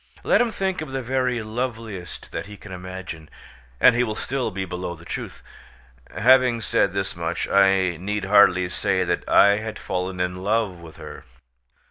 Let him think of the very loveliest that he can imagine, and he will still be below the truth. Having said this much, I need hardly say that I had fallen in love with her.